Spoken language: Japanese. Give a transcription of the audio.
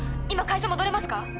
今会社戻れますか？